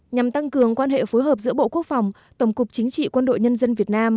nhằm tăng cường quan hệ phối hợp giữa bộ quốc phòng tổng cục chính trị quân đội nhân dân việt nam